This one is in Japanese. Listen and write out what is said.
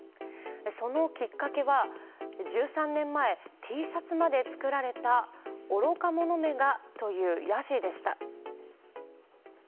そのきっかけは、１３年前Ｔシャツまで作られた愚か者めがというやじでした。